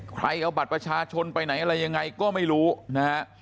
ใครเอาบัตรประชาชนไปไหนอะไรยังไงก็ไม่รู้นะฮะ